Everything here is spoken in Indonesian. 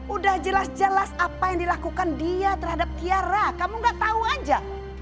udah jelas jelas apa yang dilakukan dia terhadap kiara kamu gak tahu aja